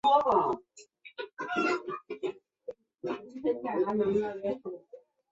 大原郡是过去隶属岛根县的一郡。